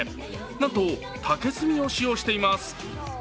なんと竹炭を使用しています